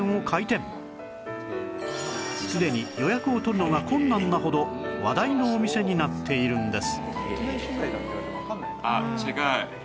すでに予約を取るのが困難なほど話題のお店になっているんです